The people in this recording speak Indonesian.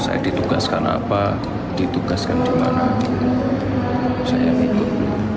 saya ditugaskan apa ditugaskan di mana saya yang ikut